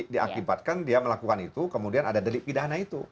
diakibatkan dia melakukan itu kemudian ada delik pidana itu